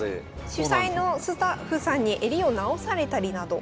主催のスタッフさんに襟を直されたりなど。